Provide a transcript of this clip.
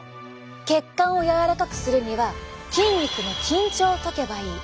血管を柔らかくするには筋肉の緊張をとけばいい。